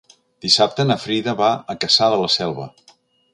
Dissabte na Frida va a Cassà de la Selva.